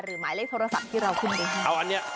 หมายเลขโทรศัพท์ที่เราขึ้นไว้ให้